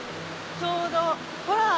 ちょうどほら！